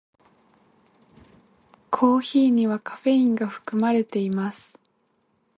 コーヒーにはカフェインが含まれています。